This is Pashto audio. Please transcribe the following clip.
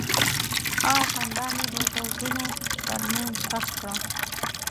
هغه خندا مې د دردونو تر منځ ښخ کړه.